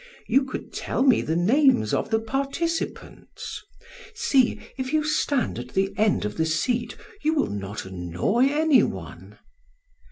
You could tell me the names of the participants. See, if you stand at the end of the seat, you will not annoy anyone."